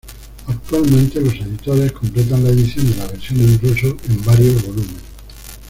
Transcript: Actualmente los editores completan la edición de la versión en ruso, en varios volúmenes.